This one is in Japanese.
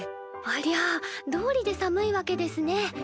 ありゃどうりで寒いわけですね。